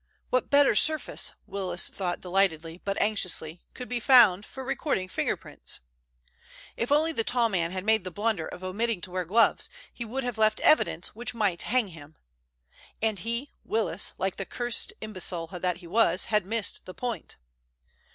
What better surface, Willis thought delightedly but anxiously, could be found for recording finger prints? If only the tall man had made the blunder of omitting to wear gloves, he would have left evidence which might hang him! And he, Willis, like the cursed imbecile that he was, had missed the point!